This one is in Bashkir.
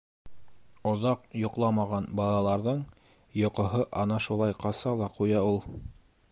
— Оҙаҡ йоҡламаған балаларҙың йоҡоһо ана шулай ҡаса ла ҡуя ул!